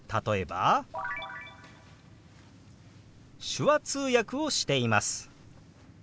「手話通訳をしています」。